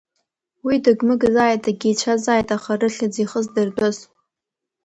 Уи дыгмыгзааит, дагьеицәазааит, аха рыхьӡ ихыз дыртәыз.